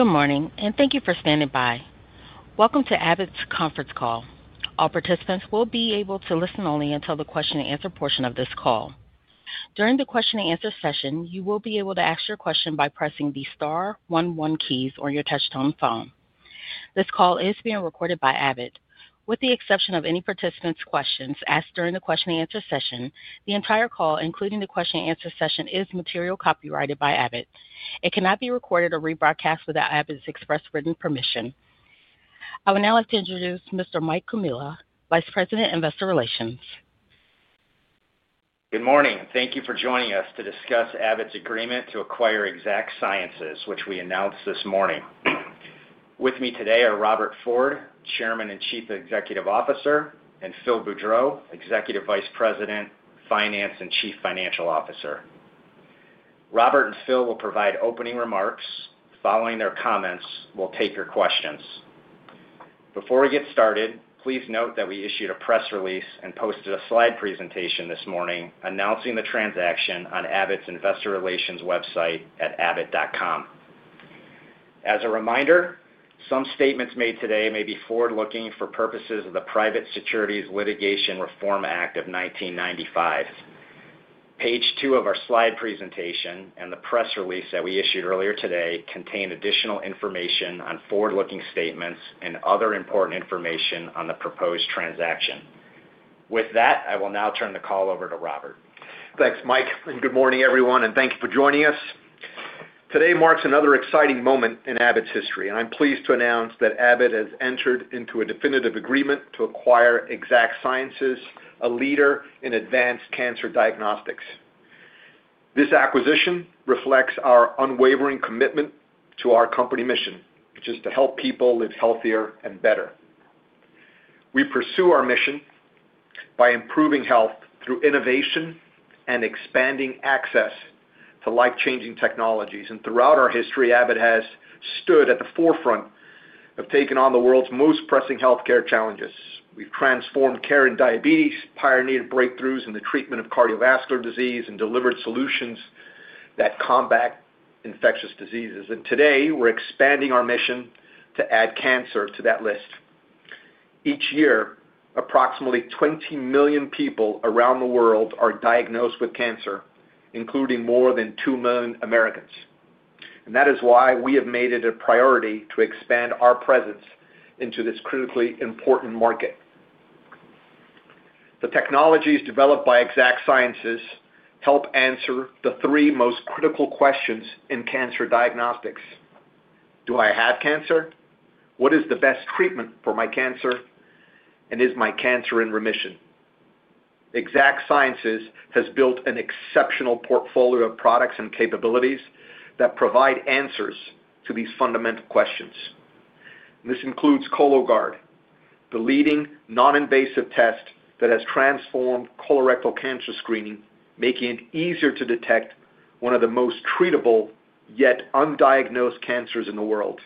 Good morning, and thank you for standing by. Welcome to Abbott's conference call. All participants will be able to listen only until the question-and-answer portion of this call. During the question-and-answer session, you will be able to ask your question by pressing the star one one keys on your touch-tone phone. This call is being recorded by Abbott. With the exception of any participants' questions asked during the question-and-answer session, the entire call, including the question-and-answer session, is material copyrighted by Abbott. It cannot be recorded or rebroadcast without Abbott's express written permission. I would now like to introduce Mr. Mike Comilla, Vice President, Investor Relations. Good morning. Thank you for joining us to discuss Abbott's agreement to acquire Exact Sciences, which we announced this morning. With me today are Robert Ford, Chairman and Chief Executive Officer, and Phil Boudreau, Executive Vice President, Finance and Chief Financial Officer. Robert and Phil will provide opening remarks. Following their comments, we'll take your questions. Before we get started, please note that we issued a press release and posted a slide presentation this morning announcing the transaction on Abbott's Investor Relations website at abbott.com. As a reminder, some statements made today may be forward-looking for purposes of the Private Securities Litigation Reform Act of 1995. Page two of our slide presentation and the press release that we issued earlier today contain additional information on forward-looking statements and other important information on the proposed transaction. With that, I will now turn the call over to Robert. Thanks, Mike. Good morning, everyone, and thank you for joining us. Today marks another exciting moment in Abbott's history, and I'm pleased to announce that Abbott has entered into a definitive agreement to acquire Exact Sciences, a leader in advanced cancer diagnostics. This acquisition reflects our unwavering commitment to our company mission, which is to help people live healthier and better. We pursue our mission by improving health through innovation and expanding access to life-changing technologies. Throughout our history, Abbott has stood at the forefront of taking on the world's most pressing healthcare challenges. We've transformed care in diabetes, pioneered breakthroughs in the treatment of cardiovascular disease, and delivered solutions that combat infectious diseases. Today, we're expanding our mission to add cancer to that list. Each year, approximately 20 million people around the world are diagnosed with cancer, including more than 2 million Americans. That is why we have made it a priority to expand our presence into this critically important market. The technologies developed by Exact Sciences help answer the three most critical questions in cancer diagnostics: Do I have cancer? What is the best treatment for my cancer? Is my cancer in remission? Exact Sciences has built an exceptional portfolio of products and capabilities that provide answers to these fundamental questions. This includes Cologuard, the leading non-invasive test that has transformed colorectal cancer screening, making it easier to detect one of the most treatable yet undiagnosed cancers in the world.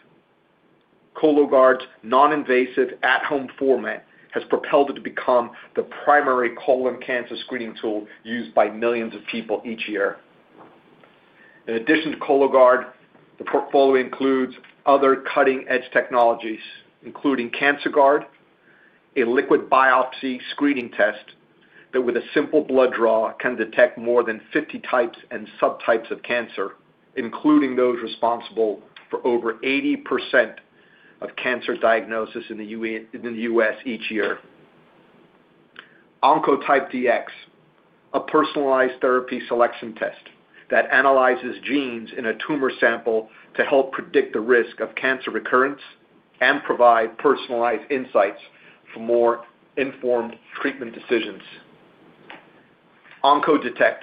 Cologuard's non-invasive at-home format has propelled it to become the primary colon cancer screening tool used by millions of people each year. In addition to Cologuard, the portfolio includes other cutting-edge technologies, including Cancerguard, a liquid biopsy screening test that, with a simple blood draw, can detect more than 50 types and subtypes of cancer, including those responsible for over 80% of cancer diagnoses in the U.S. each year. Oncotype DX, a personalized therapy selection test that analyzes genes in a tumor sample to help predict the risk of cancer recurrence and provide personalized insights for more informed treatment decisions. Oncodetect,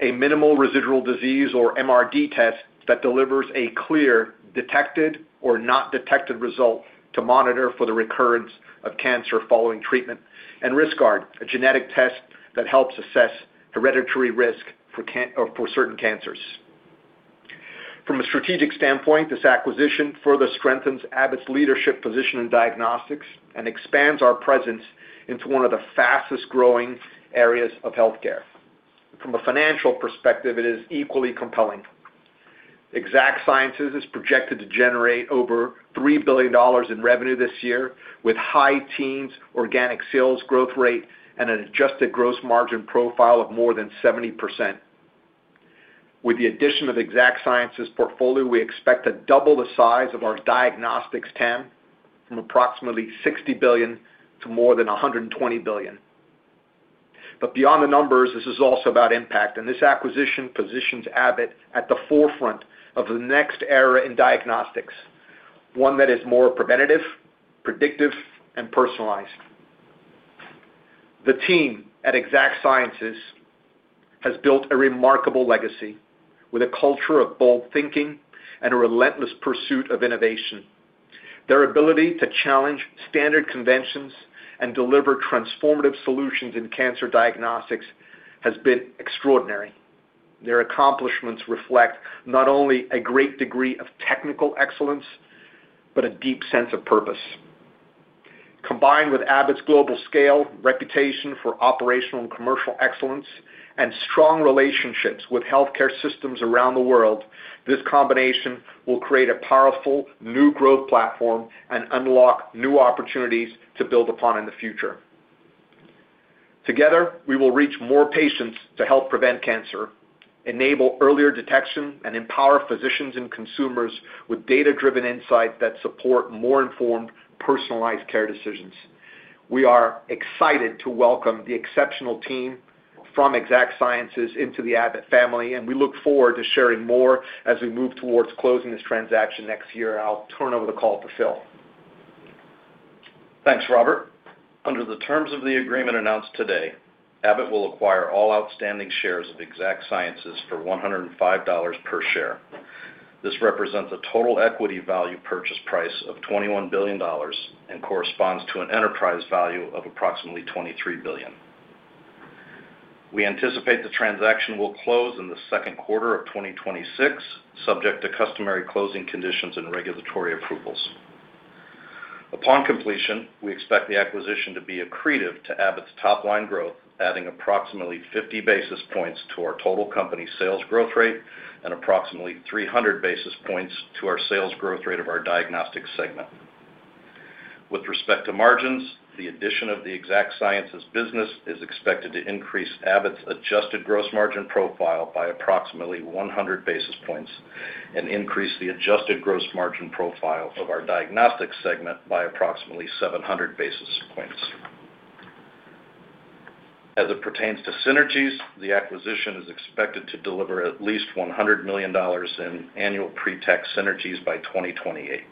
a minimal residual disease or MRD test that delivers a clear detected or not detected result to monitor for the recurrence of cancer following treatment. Riskguard, a genetic test that helps assess hereditary risk for certain cancers. From a strategic standpoint, this acquisition further strengthens Abbott's leadership position in diagnostics and expands our presence into one of the fastest-growing areas of healthcare. From a financial perspective, it is equally compelling. Exact Sciences is projected to generate over $3 billion in revenue this year, with high teens, organic sales growth rate, and an adjusted gross margin profile of more than 70%. With the addition of Exact Sciences' portfolio, we expect to double the size of our diagnostics TAM from approximately $60 billion to more than $120 billion. Beyond the numbers, this is also about impact. This acquisition positions Abbott at the forefront of the next era in diagnostics, one that is more preventative, predictive, and personalized. The team at Exact Sciences has built a remarkable legacy with a culture of bold thinking and a relentless pursuit of innovation. Their ability to challenge standard conventions and deliver transformative solutions in cancer diagnostics has been extraordinary. Their accomplishments reflect not only a great degree of technical excellence but a deep sense of purpose. Combined with Abbott's global scale, reputation for operational and commercial excellence, and strong relationships with healthcare systems around the world, this combination will create a powerful new growth platform and unlock new opportunities to build upon in the future. Together, we will reach more patients to help prevent cancer, enable earlier detection, and empower physicians and consumers with data-driven insights that support more informed, personalized care decisions. We are excited to welcome the exceptional team from Exact Sciences into the Abbott family, and we look forward to sharing more as we move towards closing this transaction next year. I'll turn over the call to Phil. Thanks, Robert. Under the terms of the agreement announced today, Abbott will acquire all outstanding shares of Exact Sciences for $105 per share. This represents a total equity value purchase price of $21 billion and corresponds to an enterprise value of approximately $23 billion. We anticipate the transaction will close in the second quarter of 2026, subject to customary closing conditions and regulatory approvals. Upon completion, we expect the acquisition to be accretive to Abbott's top-line growth, adding approximately 50 basis points to our total company sales growth rate and approximately 300 basis points to our sales growth rate of our diagnostics segment. With respect to margins, the addition of the Exact Sciences business is expected to increase Abbott's adjusted gross margin profile by approximately 100 basis points and increase the adjusted gross margin profile of our diagnostics segment by approximately 700 basis points. As it pertains to synergies, the acquisition is expected to deliver at least $100 million in annual pre-tax synergies by 2028.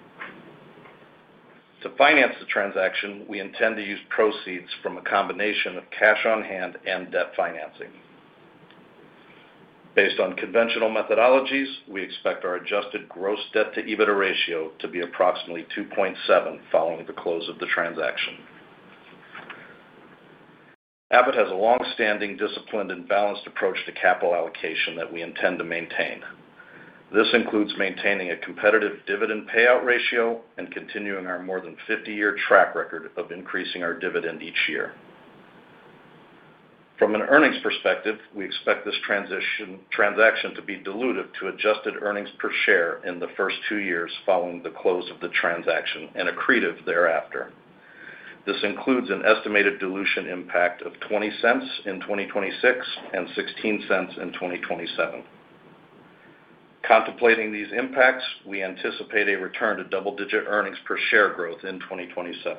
To finance the transaction, we intend to use proceeds from a combination of cash on hand and debt financing. Based on conventional methodologies, we expect our adjusted gross debt-to-EBITDA ratio to be approximately 2.7 following the close of the transaction. Abbott has a longstanding, disciplined, and balanced approach to capital allocation that we intend to maintain. This includes maintaining a competitive dividend payout ratio and continuing our more than 50-year track record of increasing our dividend each year. From an earnings perspective, we expect this transaction to be dilutive to adjusted earnings per share in the first two years following the close of the transaction and accretive thereafter. This includes an estimated dilution impact of $0.20 in 2026 and $0.16 in 2027. Contemplating these impacts, we anticipate a return to double-digit earnings per share growth in 2027.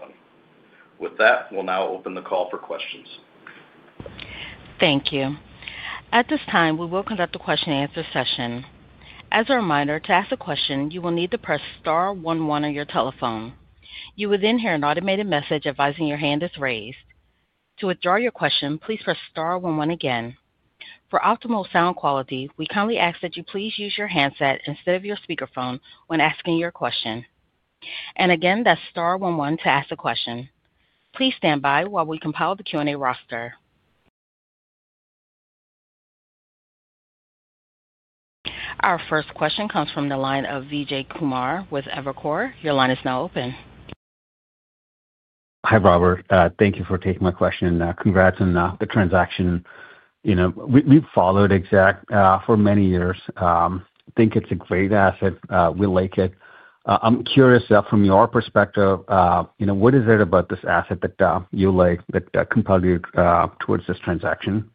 With that, we'll now open the call for questions. Thank you. At this time, we will conduct a question-and-answer session. As a reminder, to ask a question, you will need to press star 11 on your telephone. You will then hear an automated message advising your hand is raised. To withdraw your question, please press star one one again. For optimal sound quality, we kindly ask that you please use your handset instead of your speakerphone when asking your question. Again, that is star one one to ask a question. Please stand by while we compile the Q&A roster. Our first question comes from the line of Vijay Kumar with Evercore. Your line is now open. Hi, Robert. Thank you for taking my question. Congrats on the transaction. We've followed Exact for many years. I think it's a great asset. We like it. I'm curious, from your perspective, what is it about this asset that you like that compelled you towards this transaction?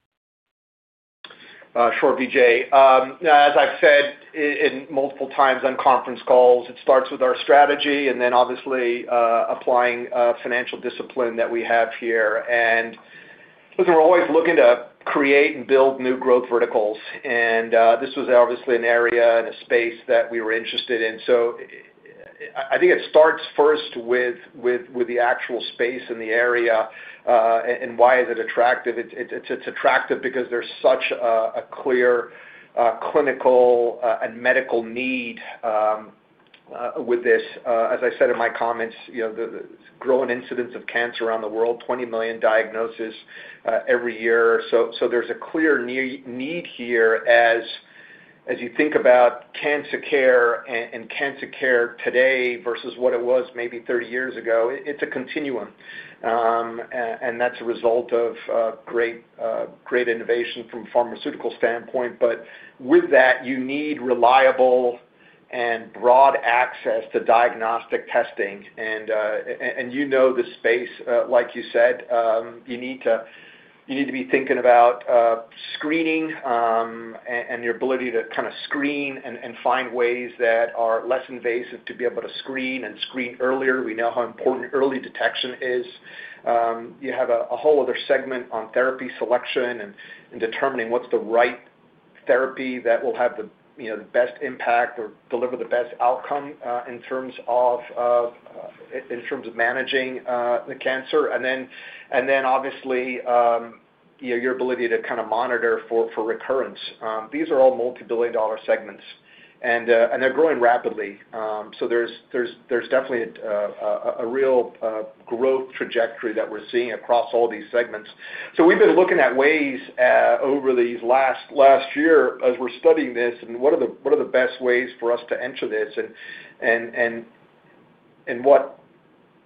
Sure, Vijay. As I've said multiple times on conference calls, it starts with our strategy and then, obviously, applying financial discipline that we have here. Listen, we're always looking to create and build new growth verticals. This was, obviously, an area and a space that we were interested in. I think it starts first with the actual space and the area and why is it attractive. It's attractive because there's such a clear clinical and medical need with this. As I said in my comments, the growing incidence of cancer around the world, 20 million diagnoses every year. There's a clear need here as you think about cancer care and cancer care today versus what it was maybe 30 years ago. It's a continuum. That's a result of great innovation from a pharmaceutical standpoint. With that, you need reliable and broad access to diagnostic testing. You know the space. Like you said, you need to be thinking about screening and your ability to kind of screen and find ways that are less invasive to be able to screen and screen earlier. We know how important early detection is. You have a whole other segment on therapy selection and determining what's the right therapy that will have the best impact or deliver the best outcome in terms of managing the cancer. Obviously, your ability to kind of monitor for recurrence is important. These are all multi-billion dollar segments, and they're growing rapidly. There is definitely a real growth trajectory that we're seeing across all these segments. We have been looking at ways over this last year as we are studying this and what are the best ways for us to enter this and what,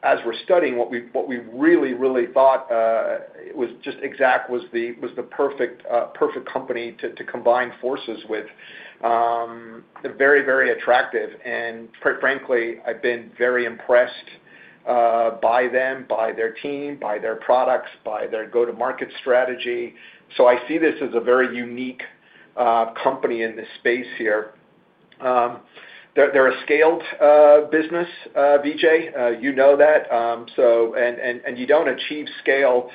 as we are studying, what we really, really thought was just Exact was the perfect company to combine forces with. They are very, very attractive. Quite frankly, I have been very impressed by them, by their team, by their products, by their go-to-market strategy. I see this as a very unique company in this space here. They are a scaled business, Vijay. You know that. You do not achieve scale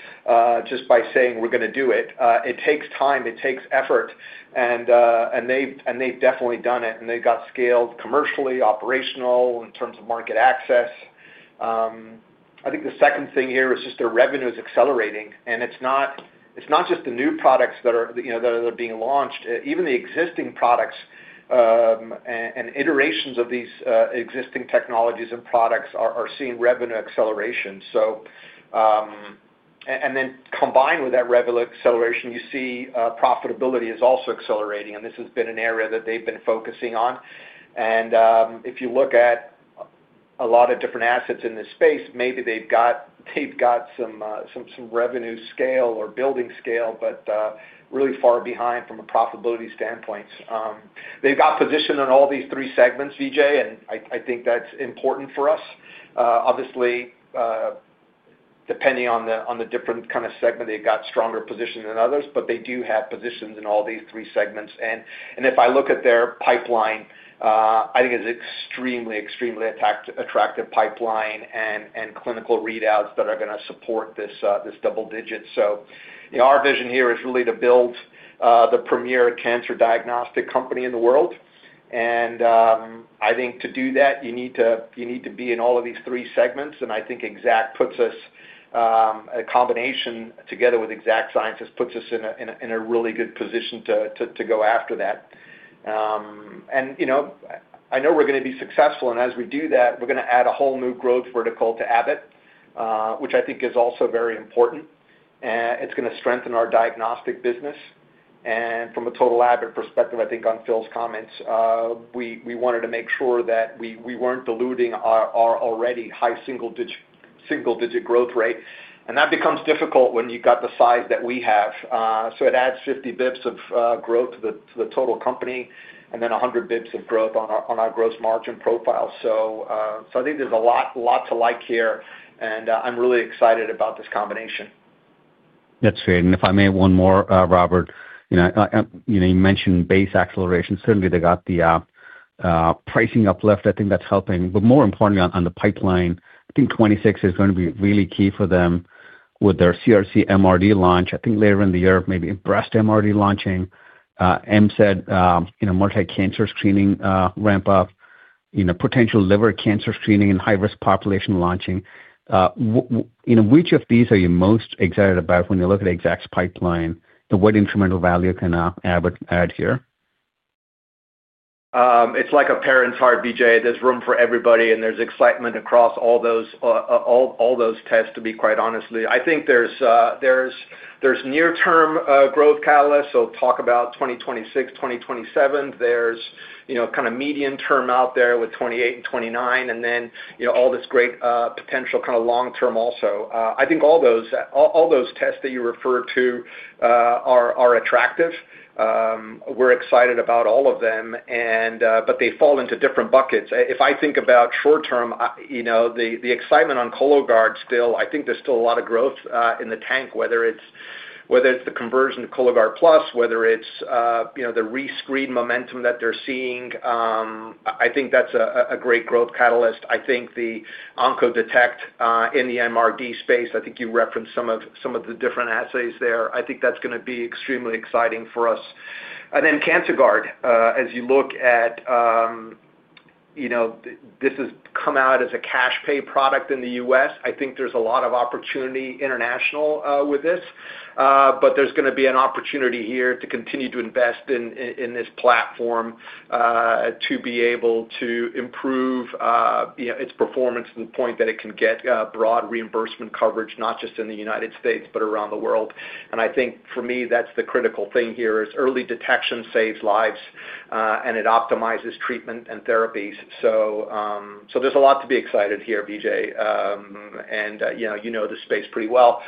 just by saying, "We are going to do it." It takes time. It takes effort. They have definitely done it. They got scaled commercially, operationally, in terms of market access. I think the second thing here is just their revenue is accelerating. It is not just the new products that are being launched. Even the existing products and iterations of these existing technologies and products are seeing revenue acceleration. Combined with that revenue acceleration, you see profitability is also accelerating. This has been an area that they've been focusing on. If you look at a lot of different assets in this space, maybe they've got some revenue scale or building scale, but really far behind from a profitability standpoint. They've got position on all these three segments, Vijay, and I think that's important for us. Obviously, depending on the different kind of segment, they've got stronger position than others, but they do have positions in all these three segments. If I look at their pipeline, I think it's an extremely, extremely attractive pipeline and clinical readouts that are going to support this double digit. Our vision here is really to build the premier cancer diagnostic company in the world. I think to do that, you need to be in all of these three segments. I think Exact, a combination together with Exact Sciences, puts us in a really good position to go after that. I know we're going to be successful. As we do that, we're going to add a whole new growth vertical to Abbott, which I think is also very important. It's going to strengthen our diagnostic business. From a total Abbott perspective, I think on Phil's comments, we wanted to make sure that we weren't diluting our already high single-digit growth rate. That becomes difficult when you've got the size that we have. It adds 50 basis points of growth to the total company and then 100 basis points of growth on our gross margin profile. I think there's a lot to like here. I'm really excited about this combination. That's great. If I may add one more, Robert, you mentioned base acceleration. Certainly, they got the pricing uplift. I think that's helping. More importantly, on the pipeline, I think 2026 is going to be really key for them with their CRC MRD launch. I think later in the year, maybe Breast MRD launching, MCED, multi-cancer screening ramp-up, potential liver cancer screening in high-risk population launching. Which of these are you most excited about when you look at Exact's pipeline? What incremental value can Abbott add here? It's like a parent's heart, Vijay. There's room for everybody, and there's excitement across all those tests, to be quite honest. I think there's near-term growth catalyst. Talk about 2026, 2027. There's kind of medium term out there with 2028 and 2029, and then all this great potential kind of long-term also. I think all those tests that you referred to are attractive. We're excited about all of them, but they fall into different buckets. If I think about short-term, the excitement on Cologuard still, I think there's still a lot of growth in the tank, whether it's the conversion to Cologuard Plus, whether it's the rescreen momentum that they're seeing. I think that's a great growth catalyst. I think the Oncodetect in the MRD space, I think you referenced some of the different assays there. I think that's going to be extremely exciting for us. Cancerguard, as you look at this, has come out as a cash-pay product in the U.S. I think there's a lot of opportunity international with this, but there's going to be an opportunity here to continue to invest in this platform to be able to improve its performance to the point that it can get broad reimbursement coverage, not just in the United States, but around the world. I think, for me, that's the critical thing here: early detection saves lives, and it optimizes treatment and therapies. There's a lot to be excited here, Vijay. You know the space pretty well.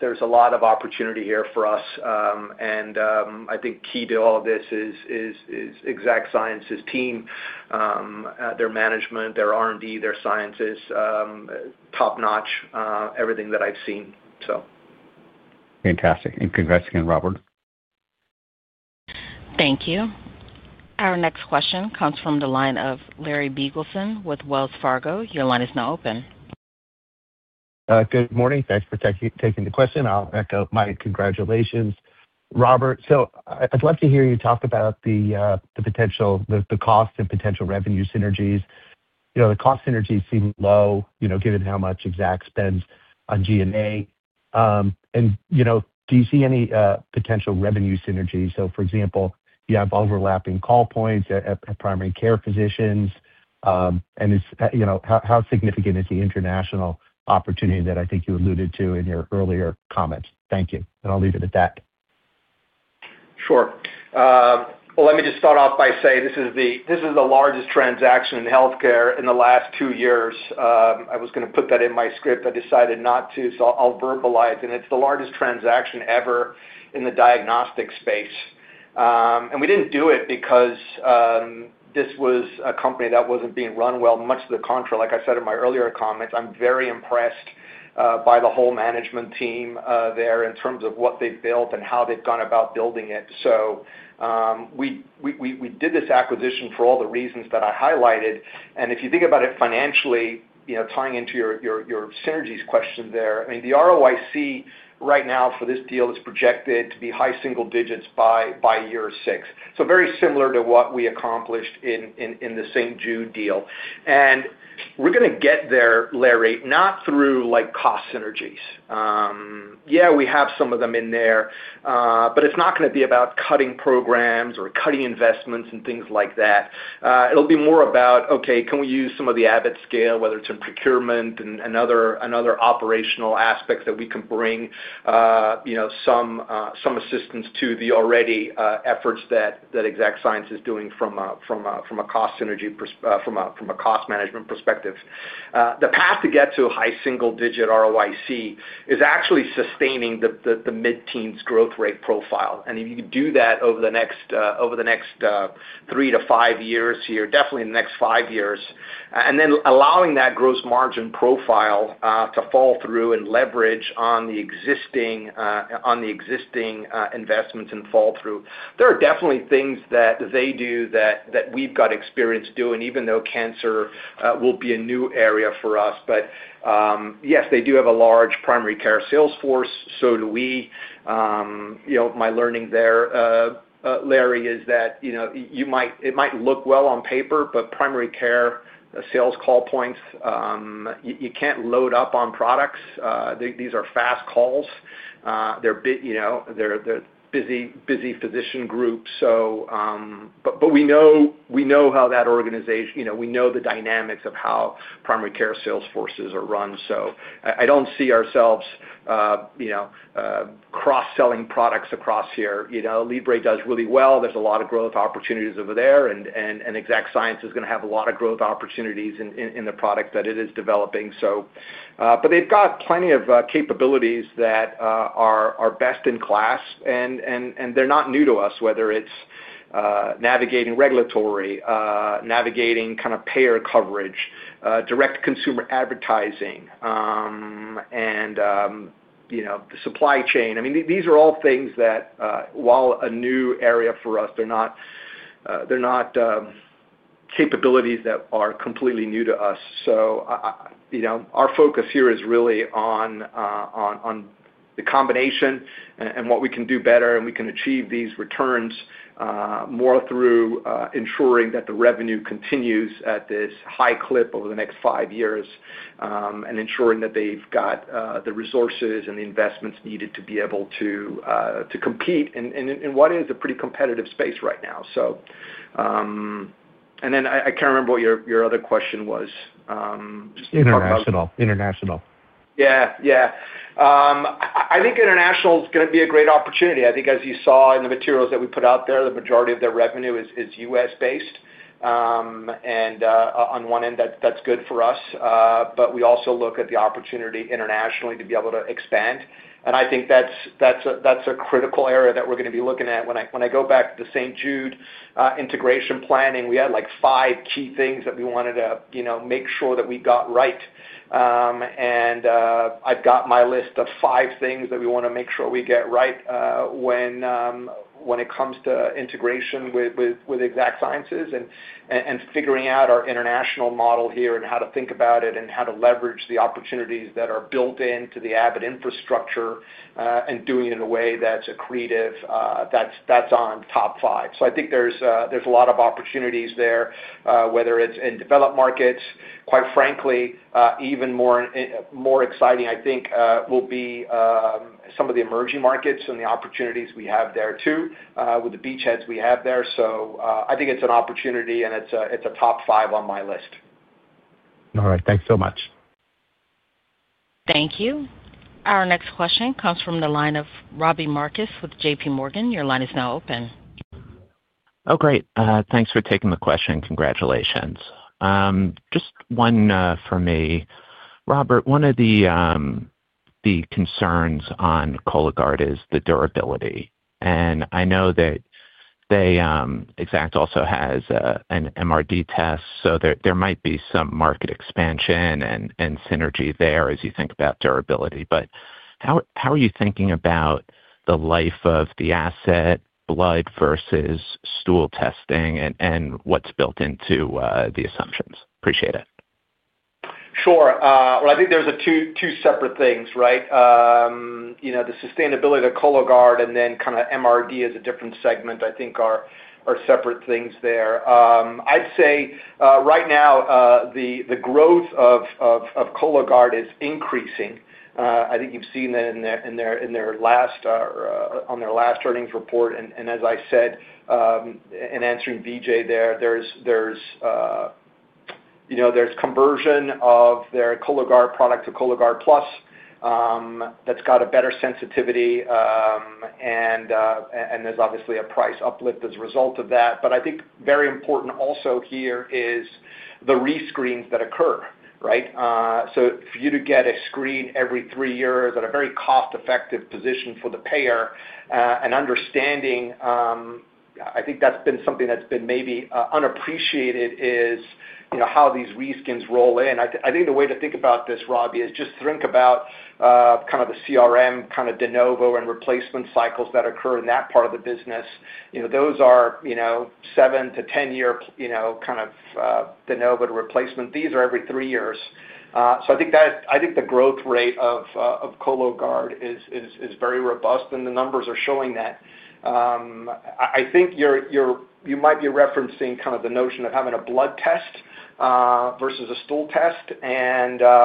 There's a lot of opportunity here for us. I think key to all of this is Exact Sciences' team, their management, their R&D, their sciences, top-notch, everything that I've seen. Fantastic. Congrats again, Robert. Thank you. Our next question comes from the line of Larry Biegelsen with Wells Fargo. Your line is now open. Good morning. Thanks for taking the question. I'll echo my congratulations, Robert. I would love to hear you talk about the potential, the cost and potential revenue synergies. The cost synergies seem low given how much Exact spends on G&A. Do you see any potential revenue synergy? For example, you have overlapping call points at primary care physicians. How significant is the international opportunity that I think you alluded to in your earlier comments? Thank you. I'll leave it at that. Sure. Let me just start off by saying this is the largest transaction in healthcare in the last two years. I was going to put that in my script. I decided not to, so I'll verbalize. It is the largest transaction ever in the diagnostic space. We did not do it because this was a company that was not being run well. Much to the contrary, like I said in my earlier comments, I am very impressed by the whole management team there in terms of what they have built and how they have gone about building it. We did this acquisition for all the reasons that I highlighted. If you think about it financially, tying into your synergies question there, I mean, the ROIC right now for this deal is projected to be high single digits by year six. Very similar to what we accomplished in the St. Jude deal. We are going to get there, Larry, not through cost synergies. Yeah, we have some of them in there, but it is not going to be about cutting programs or cutting investments and things like that. It will be more about, okay, can we use some of the Abbott scale, whether it is in procurement and other operational aspects that we can bring some assistance to the already efforts that Exact Sciences is doing from a cost synergy, from a cost management perspective. The path to get to high single-digit ROIC is actually sustaining the mid-teens growth rate profile. If you do that over the next three to five years here, definitely in the next five years, and then allowing that gross margin profile to fall through and leverage on the existing investments and fall through, there are definitely things that they do that we've got experience doing, even though cancer will be a new area for us. Yes, they do have a large primary care salesforce. So do we. My learning there, Larry, is that it might look well on paper, but primary care sales call points, you can't load up on products. These are fast calls. They're busy physician groups. We know how that organization, we know the dynamics of how primary care salesforces are run. I don't see ourselves cross-selling products across here. Libre does really well. There's a lot of growth opportunities over there. Exact Sciences is going to have a lot of growth opportunities in the product that it is developing. They have got plenty of capabilities that are best in class. They are not new to us, whether it is navigating regulatory, navigating kind of payer coverage, direct consumer advertising, and the supply chain. I mean, these are all things that, while a new area for us, they are not capabilities that are completely new to us. Our focus here is really on the combination and what we can do better. We can achieve these returns more through ensuring that the revenue continues at this high clip over the next five years and ensuring that they have got the resources and the investments needed to be able to compete in what is a pretty competitive space right now. I cannot remember what your other question was. International. International. Yeah. Yeah. I think international is going to be a great opportunity. I think, as you saw in the materials that we put out there, the majority of their revenue is U.S.-based. On one end, that's good for us. We also look at the opportunity internationally to be able to expand. I think that's a critical area that we're going to be looking at. When I go back to the St. Jude integration planning, we had five key things that we wanted to make sure that we got right. I've got my list of five things that we want to make sure we get right when it comes to integration with Exact Sciences and figuring out our international model here and how to think about it and how to leverage the opportunities that are built into the Abbott infrastructure and doing it in a way that's accretive. That's on top five. I think there's a lot of opportunities there, whether it's in developed markets. Quite frankly, even more exciting, I think, will be some of the emerging markets and the opportunities we have there too with the beachheads we have there. I think it's an opportunity, and it's a top five on my list. All right. Thanks so much. Thank you. Our next question comes from the line of Robbie Marcus with JPMorgan. Your line is now open. Oh, great. Thanks for taking the question. Congratulations. Just one for me. Robert, one of the concerns on Cologuard is the durability. I know that Exact also has an MRD test. There might be some market expansion and synergy there as you think about durability. How are you thinking about the life of the asset, blood versus stool testing, and what's built into the assumptions? Appreciate it. Sure. I think there's two separate things, right? The sustainability of the Cologuard and then kind of MRD as a different segment, I think, are separate things there. I'd say right now, the growth of Cologuard is increasing. I think you've seen that in their last earnings report. As I said, in answering Vijay there, there's conversion of their Cologuard product to Cologuard Plus that's got a better sensitivity. There's obviously a price uplift as a result of that. I think very important also here is the rescreens that occur, right? For you to get a screen every three years at a very cost-effective position for the payer and understanding, I think that's been something that's been maybe unappreciated, is how these rescreens roll in. I think the way to think about this, Robbie, is just think about kind of the CRM kind of de novo and replacement cycles that occur in that part of the business. Those are 7 to 10-year kind of de novo to replacement. These are every three years. I think the growth rate of Cologuard is very robust, and the numbers are showing that. I think you might be referencing kind of the notion of having a blood test versus a stool test. I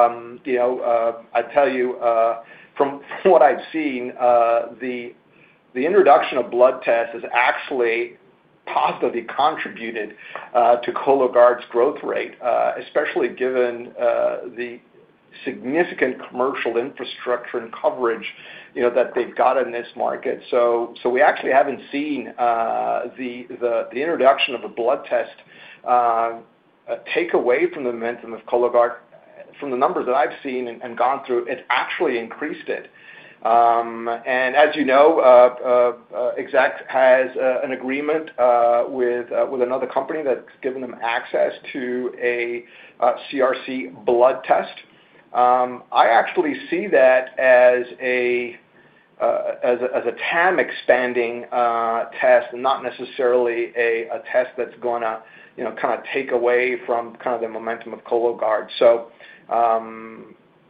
tell you, from what I've seen, the introduction of blood tests has actually positively contributed to Cologuard's growth rate, especially given the significant commercial infrastructure and coverage that they've got in this market. We actually haven't seen the introduction of a blood test take away from the momentum of Cologuard. From the numbers that I've seen and gone through, it actually increased it. As you know, Exact has an agreement with another company that's given them access to a CRC blood test. I actually see that as a TAM expanding test, not necessarily a test that's going to kind of take away from kind of the momentum of Cologuard.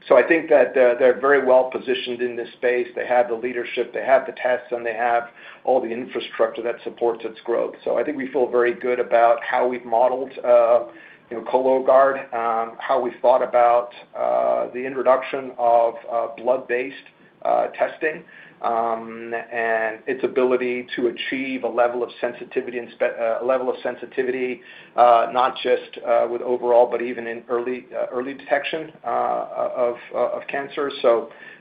I think that they're very well positioned in this space. They have the leadership. They have the tests, and they have all the infrastructure that supports its growth. I think we feel very good about how we've modeled Cologuard, how we've thought about the introduction of blood-based testing and its ability to achieve a level of sensitivity, a level of sensitivity not just overall, but even in early detection of cancer.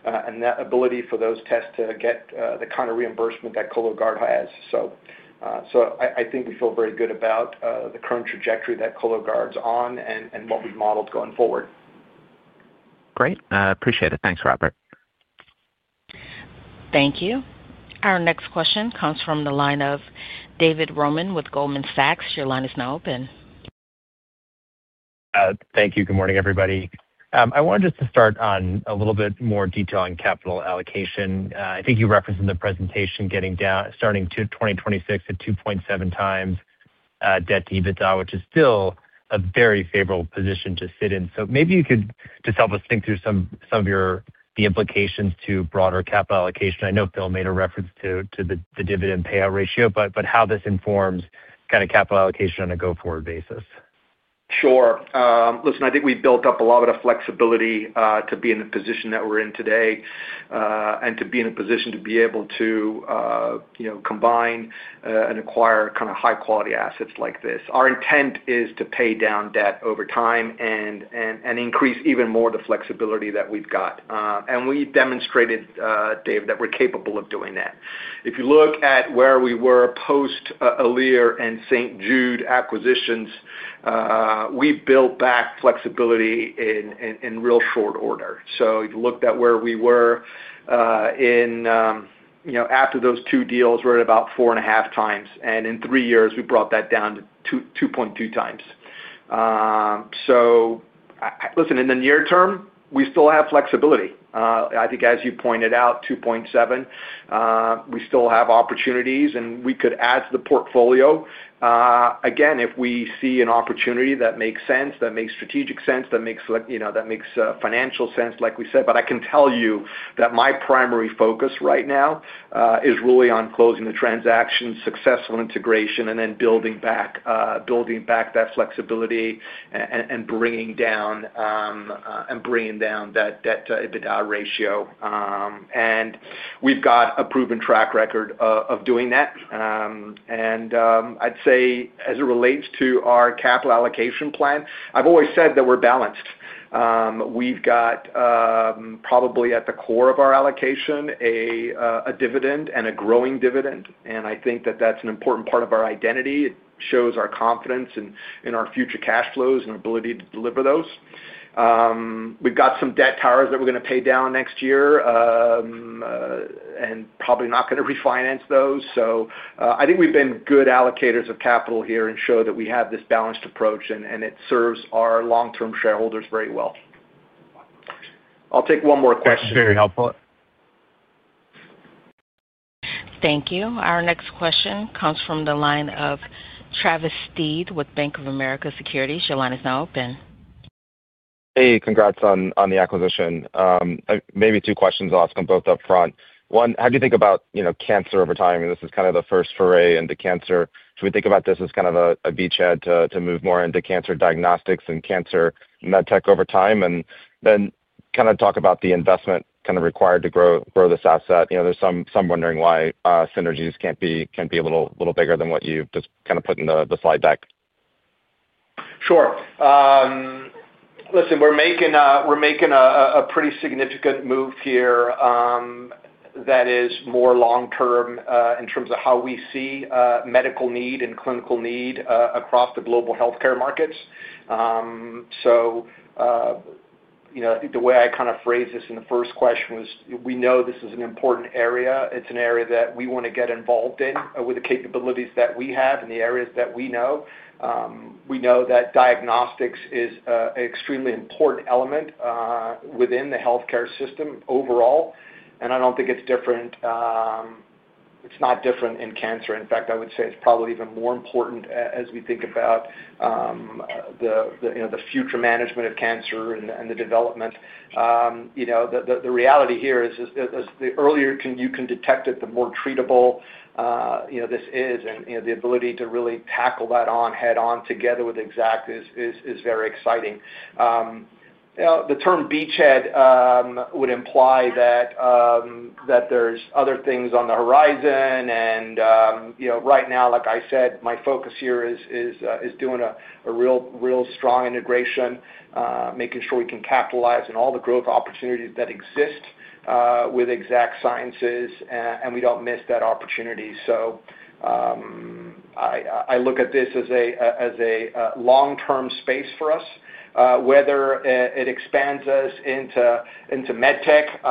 That ability for those tests to get the kind of reimbursement that Cologuard has. I think we feel very good about the current trajectory that Cologuard's on and what we've modeled going forward. Great. Appreciate it. Thanks, Robert. Thank you. Our next question comes from the line of David Roman with Goldman Sachs. Your line is now open. Thank you. Good morning, everybody. I wanted just to start on a little bit more detail on capital allocation. I think you referenced in the presentation starting 2026 at 2.7x debt to EBITDA, which is still a very favorable position to sit in. Maybe you could just help us think through some of the implications to broader capital allocation. I know Phil made a reference to the dividend payout ratio, but how this informs kind of capital allocation on a go-forward basis. Sure. Listen, I think we've built up a lot of flexibility to be in the position that we're in today and to be in a position to be able to combine and acquire kind of high-quality assets like this. Our intent is to pay down debt over time and increase even more the flexibility that we've got. We demonstrated, Dave, that we're capable of doing that. If you look at where we were post-Alere and St. Jude acquisitions, we built back flexibility in real short order. If you looked at where we were after those two deals, we were at about 4.5x. In three years, we brought that down to 2.2x. Listen, in the near term, we still have flexibility. I think, as you pointed out, 2.7x, we still have opportunities, and we could add to the portfolio. Again, if we see an opportunity that makes sense, that makes strategic sense, that makes financial sense, like we said. I can tell you that my primary focus right now is really on closing the transaction, successful integration, and then building back that flexibility and bringing down that EBITDA ratio. We have got a proven track record of doing that. I would say, as it relates to our capital allocation plan, I have always said that we are balanced. We have got probably at the core of our allocation a dividend and a growing dividend. I think that that is an important part of our identity. It shows our confidence in our future cash flows and our ability to deliver those. We have got some debt towers that we are going to pay down next year and probably not going to refinance those. I think we've been good allocators of capital here and show that we have this balanced approach, and it serves our long-term shareholders very well. I'll take one more question. That's very helpful. Thank you. Our next question comes from the line of Travis Steed with Bank of America Securities. Your line is now open. Hey, congrats on the acquisition. Maybe two questions, I'll ask them both upfront. One, how do you think about cancer over time? This is kind of the first foray into cancer. Should we think about this as kind of a beachhead to move more into cancer diagnostics and cancer med tech over time? Then kind of talk about the investment kind of required to grow this asset. There's some wondering why synergies can't be a little bigger than what you've just kind of put in the slide deck. Sure. Listen, we're making a pretty significant move here that is more long-term in terms of how we see medical need and clinical need across the global healthcare markets. I think the way I kind of phrased this in the first question was, we know this is an important area. It's an area that we want to get involved in with the capabilities that we have and the areas that we know. We know that diagnostics is an extremely important element within the healthcare system overall. I don't think it's different. It's not different in cancer. In fact, I would say it's probably even more important as we think about the future management of cancer and the development. The reality here is, the earlier you can detect it, the more treatable this is. The ability to really tackle that on head-on together with Exact is very exciting. The term beachhead would imply that there's other things on the horizon. Right now, like I said, my focus here is doing a real strong integration, making sure we can capitalize on all the growth opportunities that exist with Exact Sciences, and we don't miss that opportunity. I look at this as a long-term space for us. Whether it expands us into med tech,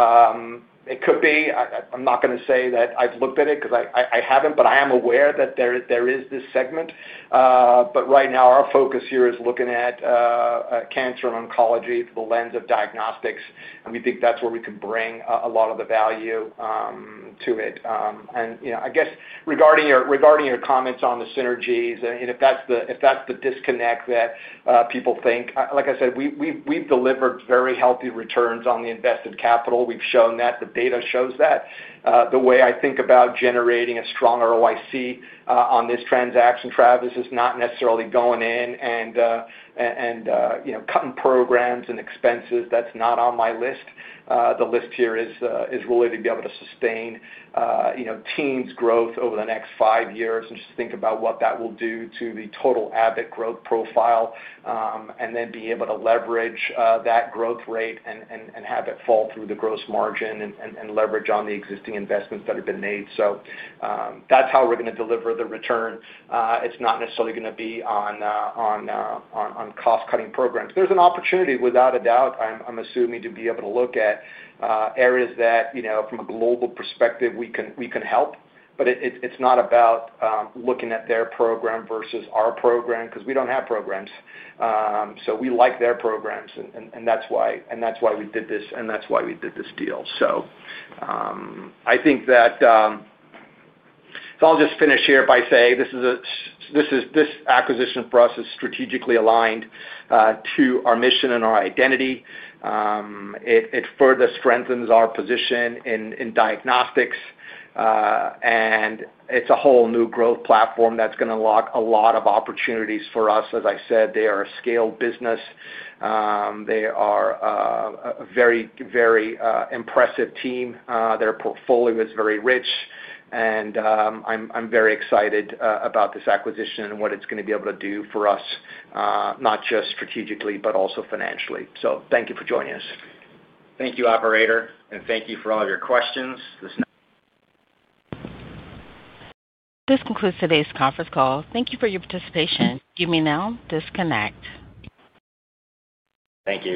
it could be. I'm not going to say that I've looked at it because I haven't, but I am aware that there is this segment. Right now, our focus here is looking at cancer and oncology through the lens of diagnostics. We think that's where we can bring a lot of the value to it. I guess regarding your comments on the synergies, and if that's the disconnect that people think, like I said, we've delivered very healthy returns on the invested capital. We've shown that. The data shows that. The way I think about generating a stronger ROIC on this transaction, Travis, is not necessarily going in and cutting programs and expenses. That's not on my list. The list here is really to be able to sustain team's growth over the next five years and just think about what that will do to the total Abbott growth profile and then be able to leverage that growth rate and have it fall through the gross margin and leverage on the existing investments that have been made. That's how we're going to deliver the return. It's not necessarily going to be on cost-cutting programs. There's an opportunity, without a doubt, I'm assuming to be able to look at areas that, from a global perspective, we can help. It is not about looking at their program versus our program because we do not have programs. We like their programs, and that is why we did this, and that is why we did this deal. I think that I will just finish here by saying this acquisition for us is strategically aligned to our mission and our identity. It further strengthens our position in diagnostics. It is a whole new growth platform that is going to unlock a lot of opportunities for us. As I said, they are a scaled business. They are a very, very impressive team. Their portfolio is very rich. I am very excited about this acquisition and what it is going to be able to do for us, not just strategically, but also financially. Thank you for joining us. Thank you, operator. Thank you for all of your questions. This concludes today's conference call. Thank you for your participation. You may now disconnect. Thank you.